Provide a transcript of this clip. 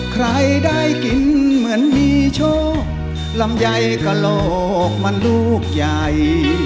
ใครได้กินเหมือนมีโชคลำไยกระโหลกมันลูกใหญ่